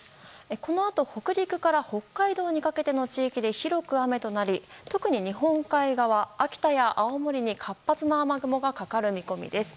このあと北陸から北海道にかけての地域で広く雨となり、特に日本海側秋田や青森に活発な雨雲がかかる見込みです。